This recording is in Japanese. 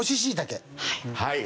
はい。